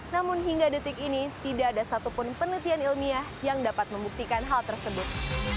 namun hingga detik ini tidak ada satupun penelitian ilmiah yang dapat membuktikan hal tersebut